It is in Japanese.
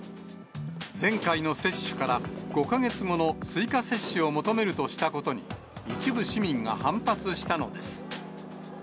前回の接種から５か月後の追加接種を求めるとしたことに、一部市民が反発したのです。